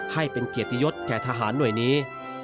ให้เป็นเกียรติยศแก่ทหารหน่วยนี้